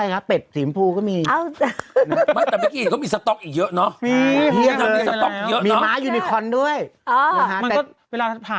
เฮียมีมา